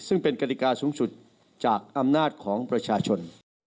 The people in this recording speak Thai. ซึ่งเป็นกฎิกาสูงสุดจากอำนาจของประชาชน